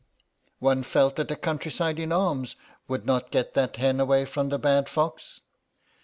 One felt that a countryside in arms would not get that hen away from the bad fox.